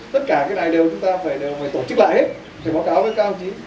tất cả cái này chúng ta phải tổ chức lại hết phải báo cáo cho các đồng chí